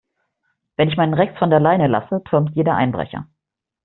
Wenn ich meinen Rex von der Leine lasse, türmt jeder Einbrecher.